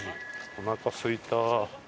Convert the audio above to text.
おなかすいた。